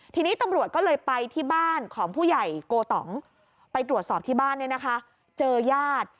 ทีนี้ตำรวจก็เลยไปที่บ้านของผู้ใหญ่โกตองไปตรวจสอบที่บ้านเนี่ยนะคะเจอญาติ